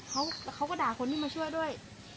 แล้วเขาก็ด่าคนที่มาช่วยด้วย